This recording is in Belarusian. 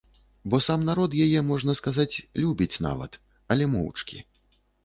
Бо сам народ яе, можна сказаць, любіць нават, але моўчкі.